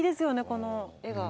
この絵が。